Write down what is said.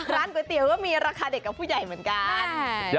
ร้านก๋วยเตี๋ยวก็มีราคาเด็กกับผู้ใหญ่เหมือนกัน